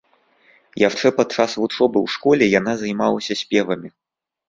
Яшчэ падчас вучобы ў школе яна займалася спевамі.